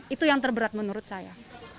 itu yang terberat menurut saya